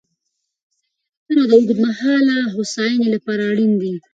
صحي عادتونه د اوږدمهاله هوساینې لپاره اړین دي.